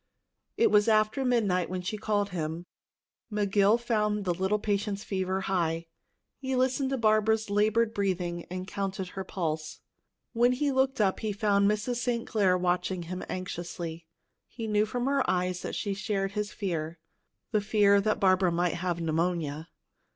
It was after midnight when she called him. McGill found the little patient's fever high. He listened to Barbara's labored breathing and counted her pulse. When he looked up, he found Mrs. St. Clair watching him anxiously. He knew from her eyes that she shared his fear the fear that Barbara might have pneumonia.